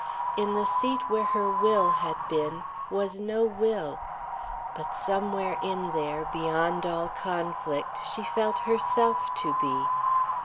In the seat where her will had been was no will. But somewhere in there, beyond all conflict, she felt herself to be.